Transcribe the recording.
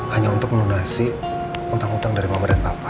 hanya untuk menunasi utang utang dari mama dan papa